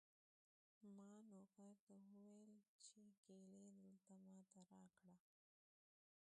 ما نوکر ته وویل چې کیلي دلته ما ته راکړه.